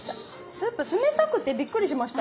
スープ冷たくてびっくりしました。